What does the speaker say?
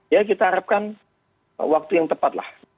ya kita harapkan waktu yang tepat lah